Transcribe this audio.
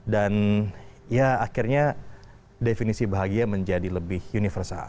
dan ya akhirnya definisi bahagia menjadi lebih universal